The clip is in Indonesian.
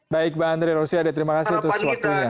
baik mbak andre rosyade terima kasih terus waktunya